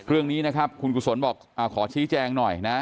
เรื่องนี้นะครับคุณกุศลบอกขอชี้แจงหน่อยนะ